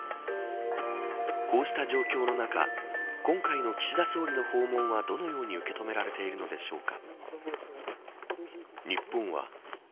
こうした状況の中今回の岸田総理の訪問はどのように受け止められているのでしょうか。